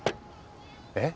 えっ？